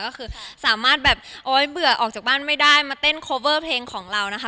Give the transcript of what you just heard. ก็คือสามารถแบบเอาไว้เบื่อออกจากบ้านไม่ได้มาเต้นโคเวอร์เพลงของเรานะคะ